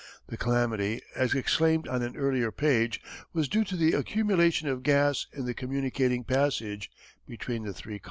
The calamity, as explained on an earlier page, was due to the accumulation of gas in the communicating passage between the three cars.